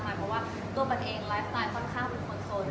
เพราะว่าตัวตนเองสป๊าห์ค่อยเป็นคนสด